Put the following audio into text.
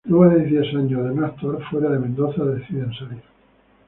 Luego de diez años de no actuar fuera de Mendoza deciden salir.